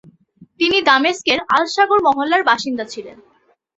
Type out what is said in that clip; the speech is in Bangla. তিনি দামেস্কের আল-শাগুর মহল্লার বাসিন্দা ছিলেন।